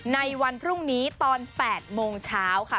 ในวันพรุ่งนี้ตอน๘โมงเช้าค่ะ